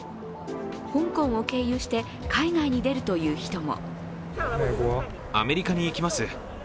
香港を経由して海外に出るという人も。